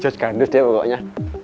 george kandus dia pokoknya